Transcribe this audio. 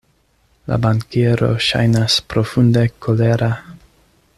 La bankiero ŝajnas profunde kolera.